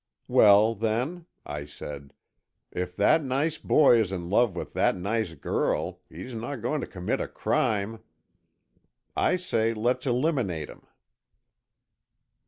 "Well, then," I said, "if that nice boy is in love with that nice girl, he's not going to commit a crime. I say, let's eliminate him."